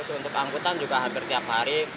untuk angkutan juga hampir tiap hari